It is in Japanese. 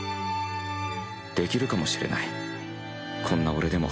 できるかもしれないこんな俺でも。